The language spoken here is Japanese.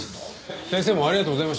先生もありがとうございました。